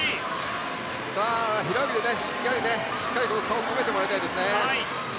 平泳ぎでしっかり差を詰めてもらいたいです。